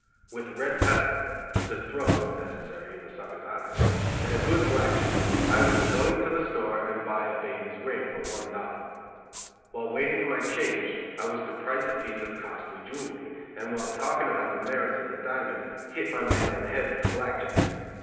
With red pepper (to throw, if necessary, in the sucker's eyes) and a good black jack I was to go into the store and buy a baby's ring for one dollar. While waiting for my change, I was to price a piece of costly jewelry, and while talking about the merits of the diamond, hit my man on the head with the black jack.